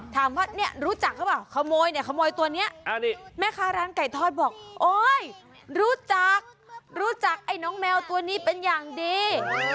ถามว่าเนี่ยรู้จักหรือเปล่าขโมยเนี่ยขโมยตัวนี้แม่ค้าร้านไก่ทอดบอกโอ๊ยรู้จักรู้จักไอ้น้องแมวตัวนี้เป็นอย่างดี